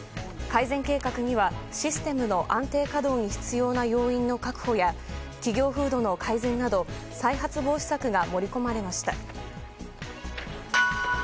改善計画にはシステムの安定稼働に必要な要員の確保や企業風土の改善など再発防止策が盛り込まれました。